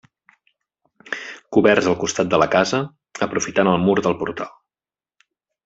Coberts al costat de la casa, aprofitant el mur del portal.